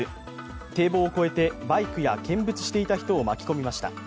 堤防を越えてバイクや見物していた人を巻き込みました。